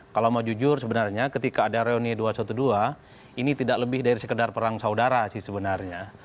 kalau mau jujur sebenarnya ketika ada reuni dua ratus dua belas ini tidak lebih dari sekedar perang saudara sih sebenarnya